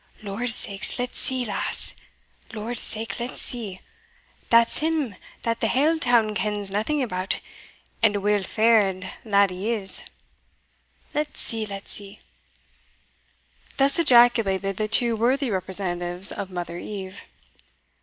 "Lord's sake, let's see, lass! Lord's sake, let's see! that's him that the hale town kens naething about and a weel fa'ard lad he is; let's see, let's see!" Thus ejaculated the two worthy representatives of mother Eve.